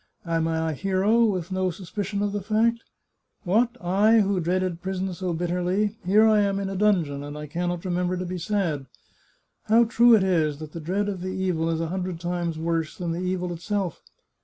Am I a hero, with no suspicion of the fact ? What ! I, who dreaded prison so bitterly, here am I in a dungeon, and I can not remember to be sad ! How true it is that the dread of the evil is a hundred times worse than the evil itself